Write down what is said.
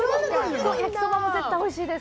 焼きそばも絶対おいしいです。